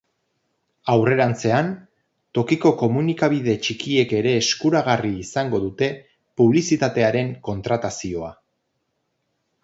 Aurrerantzean, tokiko komunikabide txikiek ere eskuragarri izango dute publizitatearen kontratazioa.